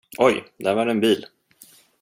Oj, där var det en bil.